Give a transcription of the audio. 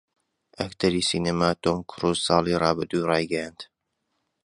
ئەکتەری سینەما تۆم کرووز ساڵی ڕابردوو ڕایگەیاند